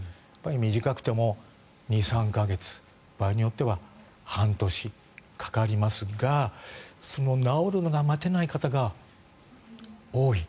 短くても２３か月場合によっては半年かかりますがその治るのが待てない方が多い。